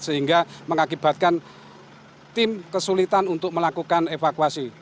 sehingga mengakibatkan tim kesulitan untuk melakukan evakuasi